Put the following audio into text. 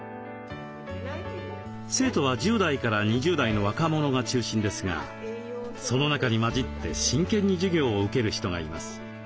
生徒は１０代から２０代の若者が中心ですがその中に交じって真剣に授業を受ける人がいます。